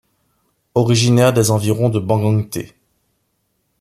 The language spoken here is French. Originaires des environs de Bangangté.